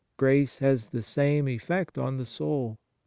Grace has the same effect on the soul.